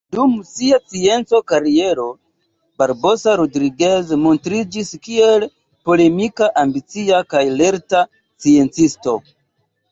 Dum sia scienca kariero, Barbosa Rodriguez montriĝis kiel polemika, ambicia kaj lerta sciencisto.